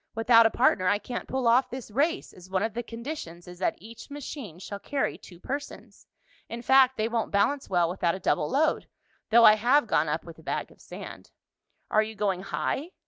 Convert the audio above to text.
Without a partner I can't pull off this race, as one of the conditions is that each machine shall carry two persons. In fact, they won't balance well without a double load, though I have gone up with a bag of sand." "Are you going high?"